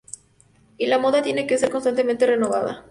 Y la moda tiene que ser constantemente renovada.